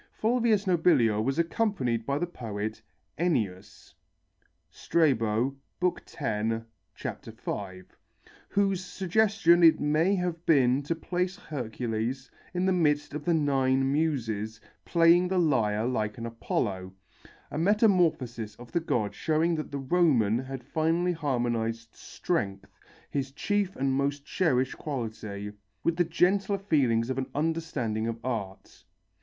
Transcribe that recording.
Fulvius Nobilior was accompanied by the poet Ennius (Strabo, B. X, 5), whose suggestion it may have been to place Hercules in the midst of the Nine Muses playing the lyre like an Apollo, a metamorphosis of the god showing that the Roman had finally harmonized "Strength," his chief and most cherished quality, with the gentler feelings of an understanding of art.